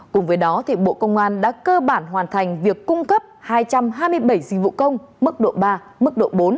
cùng với đó bộ công an đã cơ bản hoàn thành việc cung cấp hai trăm hai mươi bảy dịch vụ công mức độ ba mức độ bốn